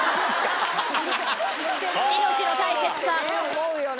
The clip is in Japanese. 思うよね。